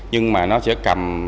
nhưng mà nó sẽ cầm